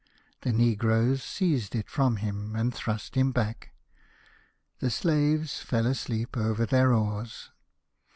The negroes seized it from him, and thrust him back. The slaves fell asleep over their oars.